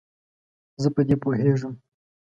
زه په دې پوهیږم.